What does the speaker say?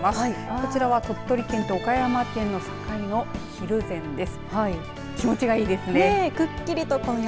こちら鳥取県と岡山県の境の蒜山です。